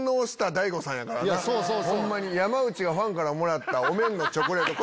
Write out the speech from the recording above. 山内がファンからもらったお面のチョコレート。